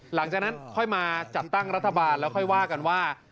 หลังจากนั้นค่อยมาจัดตั้งรัฐบาลแล้วค่อยว่ากันว่า